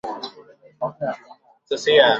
精河补血草为白花丹科补血草属下的一个种。